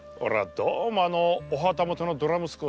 どうもあのお旗本のドラ息子